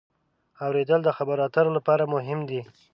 اورېدل د خبرو اترو لپاره مهم دی.